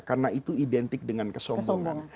karena itu identik dengan kesombongan